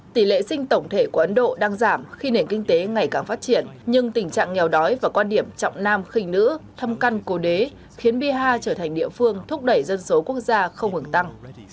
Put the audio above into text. tỷ lệ sinh tổng thể của ấn độ đang giảm khi nền kinh tế ngày càng phát triển nhưng tình trạng nghèo đói và quan điểm trọng nam khinh nữ thâm căn cô đế khiến biaha trở thành địa phương thúc đẩy dân số quốc gia không ngừng tăng